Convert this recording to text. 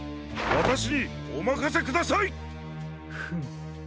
わたしにおまかせください！フム。